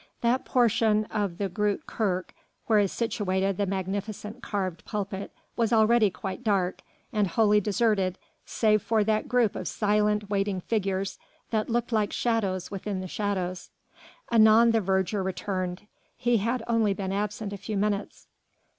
That portion of the Groote Kerk where is situated the magnificent carved pulpit was already quite dark and wholly deserted save for that group of silent, waiting figures that looked like shadows within the shadows. Anon the verger returned. He had only been absent a few minutes.